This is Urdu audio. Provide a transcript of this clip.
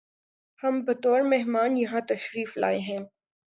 ہم بطور مہمان یہاں تشریف لائے ہیں